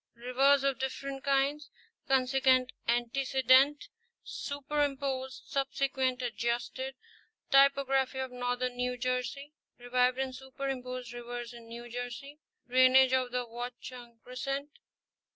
—Rivers of different kinds : consequent, antecedent, superim posed, subsequent, adjusted.—Topography of Northern New Jersey. —Revived and superimposed rivers in New Jersey.—Drainage of the Watchung crescent.